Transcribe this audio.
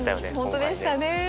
本当でしたね。